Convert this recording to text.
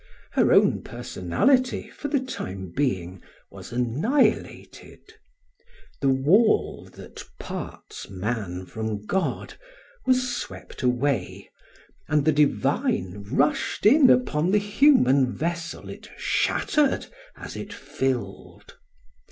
Her own personality, for the time being, was annihilated; the wall that parts man from god was swept away; and the Divine rushed in upon the human vessel it shattered as it filled.